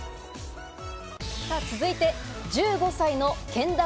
さぁ続いて、１５歳のけん玉